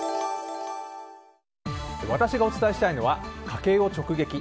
私がお伝えしたいのは家計を直撃！